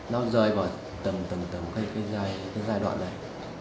nó rơi vào tầm tầm tầm cái giai đoạn này